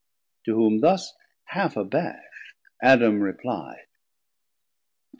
To whom thus half abash't Adam repli'd.